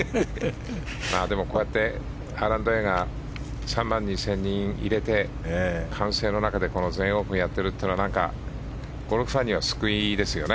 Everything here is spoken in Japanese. こうやってＲ＆Ａが３万２０００人を入れて歓声の中で全英オープンをやってるのはゴルフファンには救いですよね。